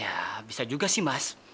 ya bisa juga sih mas